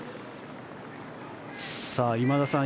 今田さん